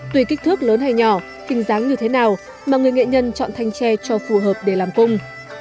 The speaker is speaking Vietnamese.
tùy kích thước lớn hay nhỏ hình dáng như thế nào mà người nghệ nhân chọn thanh tre cho phù hợp để làm cung